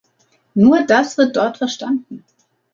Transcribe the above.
Nur das wird dort verstanden!